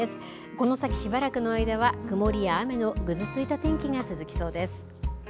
この先、しばらくの間は曇りや雨のぐずついた天気が続きそうです。